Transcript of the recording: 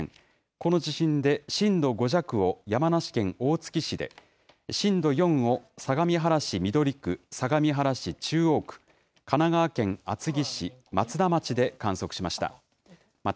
この地震で震度５弱を山梨県大月市で、震度４を相模原市緑区、相模原市中央区、神奈川県厚木市、松田町で観測しました。